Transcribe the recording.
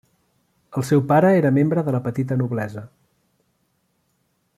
El seu pare era membre de la petita noblesa.